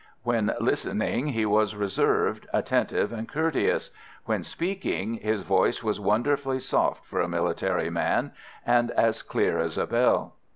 When listening he was reserved, attentive and courteous; when speaking his voice was wonderfully soft for a military man, and as clear as a bell.